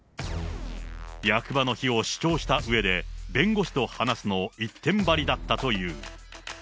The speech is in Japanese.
役場の非を主張したうえで、弁護士と話すの一点張りだったという。